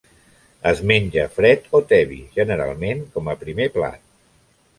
Es menja fred o tebi, generalment com a primer plat.